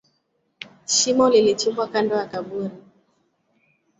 Shimo lilichimbwa kando ya kaburi.